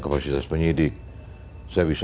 kapasitas penyidik saya bisa